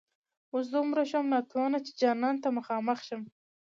اوس دومره شوم ناتوانه چي جانان ته مخامخ شم